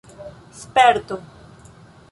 sperto